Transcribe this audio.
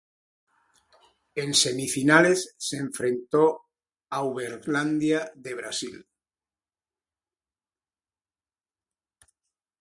En semifinales se enfrentó a Uberlândia de Brasil.